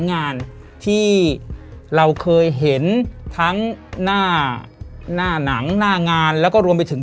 งานที่เราเคยเห็นทั้งหน้าหน้าหนังหน้างานแล้วก็รวมไปถึง